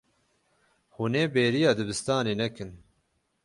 Hûn ê bêriya dibistanê nekin.